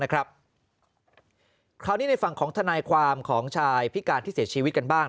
คราวนี้ในฝั่งของทนายความของชายพิการที่เสียชีวิตกันบ้าง